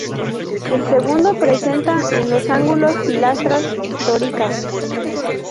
El segundo presenta, en los ángulos, pilastras dóricas.